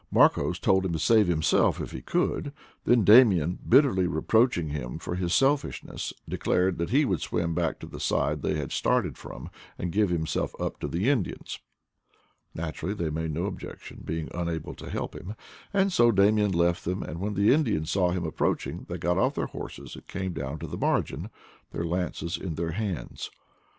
Marcos told him to save himself if he could; then Damian, bitterly reproaching him for his selfish ness, declared that he would swim back to the side they had started from and give himself up to the Indians. Naturally they made no objection, being unable to help him; and so Damian left them, and when the Indians saw him approaching they got off their horses and came down to the margin, their lances in their hands.